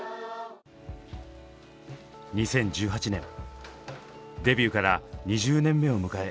２０１８年デビューから２０年目を迎え